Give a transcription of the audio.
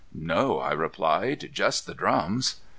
"No," I replied. "Just the drums."